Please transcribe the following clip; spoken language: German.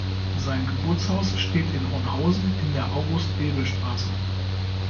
Sein Geburtshaus steht in Hornhausen in der August-Bebel-Straße.